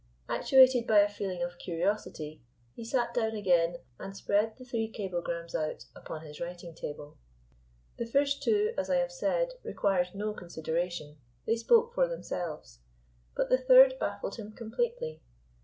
Actuated by a feeling of curiosity, he sat down again and spread the three cablegrams out upon his writing table. The first two, as I have said, required no consideration, they spoke for themselves, but the third baffled him completely.